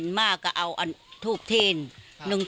ศักดิ์ศิษธ์จริง